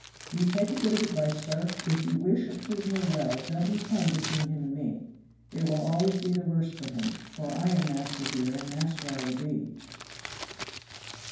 "Will you take a bit of advice, sir? If you wish a prisoner well don't you come between him and me. It will always be the worse for him, for I am master here and master I will be."